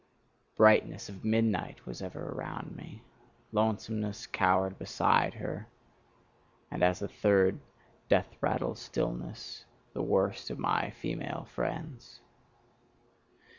Brightness of midnight was ever around me; lonesomeness cowered beside her; and as a third, death rattle stillness, the worst of my female friends.